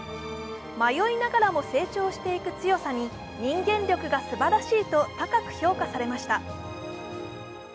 迷いながらも成長していく強さに人間力がすばらしいと高く評価されました。